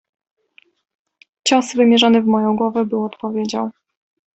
"Cios, wymierzony w moją głowę, był odpowiedzią."